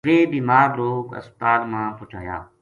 ویہ بیمار لوک ہسپتا ل ما پوہچایا